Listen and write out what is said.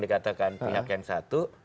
dikatakan pihak yang satu